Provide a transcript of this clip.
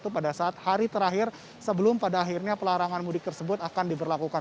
pada saat hari terakhir sebelum pada akhirnya pelarangan mudik tersebut akan diberlakukan